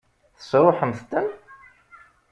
Tesṛuḥemt-ten?